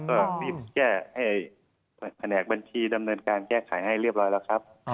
ก็รีบแก้ให้แผนกบัญชีดำเนินการแก้ไขให้เรียบร้อยแล้วครับ